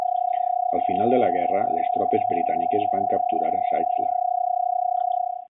Al final de la guerra, les tropes britàniques van capturar Zeitzler.